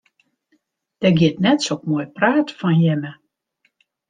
Der giet net sok moai praat fan jimme.